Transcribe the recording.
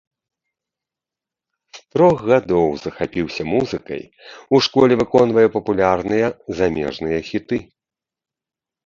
З трох гадоў захапіўся музыкай, у школе выконвае папулярныя замежныя хіты.